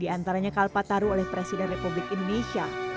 di antaranya kalpataru oleh presiden republik indonesia